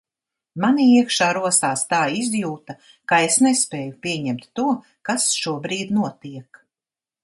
Manī iekšā rosās tā izjūta, ka es nespēju pieņemt to, kas šobrīd notiek.